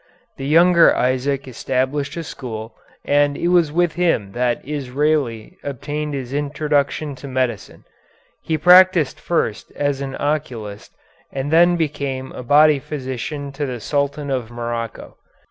The younger Isaac established a school, and it was with him that Israeli obtained his introduction to medicine. He practised first as an oculist and then became body physician to the Sultan of Morocco.